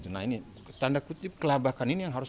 nah ini tanda kutip kelabakan ini yang harus